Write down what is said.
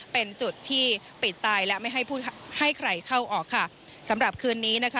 เป็นจุดที่ปิดตายและไม่ให้ผู้ให้ใครเข้าออกค่ะสำหรับคืนนี้นะคะ